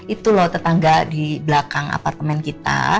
itu loh tetangga di belakang apartemen kita